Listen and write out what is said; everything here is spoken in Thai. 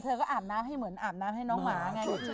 เธอก็อาบน้ำให้เหมือนอาบน้ำให้น้องหมาไง